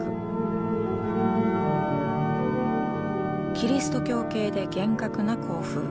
キリスト教系で厳格な校風。